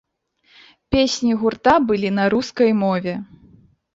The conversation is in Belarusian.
Песні гурта былі на рускай мове.